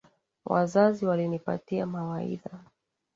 Wazazi walinipatia mawaidha